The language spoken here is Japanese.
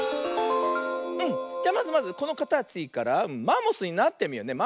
じゃまずまずこのかたちからマンモスになってみようね。